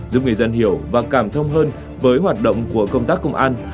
giúp người dân hiểu và cảm thông hơn với hoạt động của công tác công an